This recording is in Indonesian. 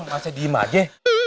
makasih diem aja